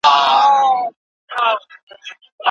دا نبات د هېواد د هویت برخه ګرځېدلې.